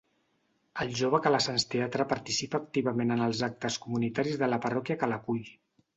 El Jove Calassanç Teatre participa activament en els actes comunitaris de la parròquia que l'acull.